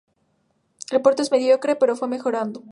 El puerto es mediocre, pero fue mejorado.